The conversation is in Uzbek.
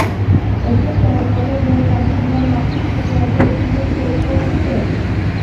Eshik qo`ng`irog`i jirinlashi bilan maxsus kiyimlarda unga peshvoz chiqdim